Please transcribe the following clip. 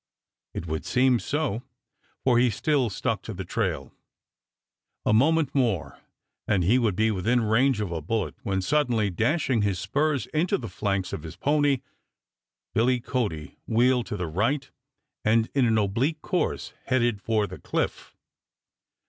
It would seem so, for he still stuck to the trail. A moment more and he would be within range of a bullet, when, suddenly dashing his spurs into the flanks of his pony, Billy Cody wheeled to the right, and in an oblique course headed for the cliff.